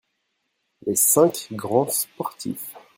Les cinq grands sportifs.